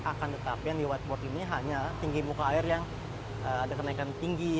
akan tetapi yang di whiteboard ini hanya tinggi muka air yang ada kenaikan tinggi